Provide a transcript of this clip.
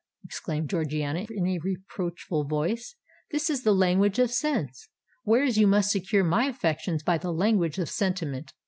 exclaimed Georgiana, in a reproachful voice: "this is the language of sense—whereas you must secure my affections by the language of sentiment.